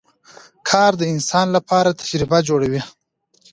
کار د انسان لپاره تجربه جوړوي